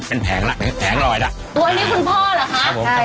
เป็นแผงละเป็นแผงรอยละตัวนี้คุณพ่อเหรอคะครับผมใช่ค่ะ